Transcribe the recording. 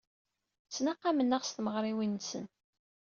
Ttnaqamen-aɣ s tmeɣriwin-nsen.